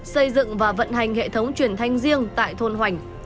xây dựng và vận hành hệ thống truyền thanh riêng tại thôn hoành